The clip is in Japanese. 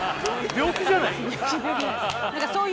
病気じゃないです